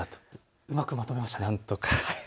うまくまとめましたね。